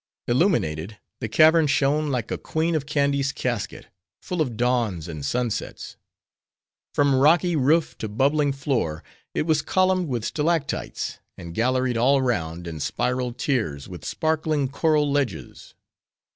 Illuminated, the cavern shone like a Queen of Kandy's casket: full of dawns and sunsets. From rocky roof to bubbling floor, it was columned with stalactites; and galleried all round, in spiral tiers, with sparkling, coral ledges.